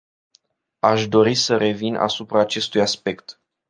Aș dori să revin asupra acestui aspect.